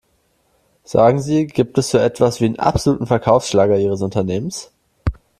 Sagen Sie, gibt es so etwas wie den absoluten Verkaufsschlager ihres Unternehmens?